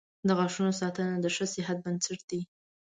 • د غاښونو ساتنه د ښه صحت بنسټ دی.